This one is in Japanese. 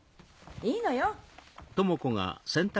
いいのよ。